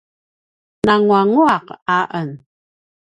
nanguanguaq a en